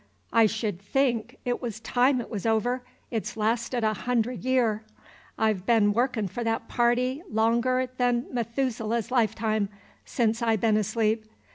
I should think 't was time 't was over! It's lasted a hundud year. I've been workin' for that party longer 'n Methuselah's lifetime, sence I been asleep.